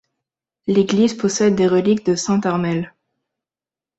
L'église possède des reliques de Saint Armel.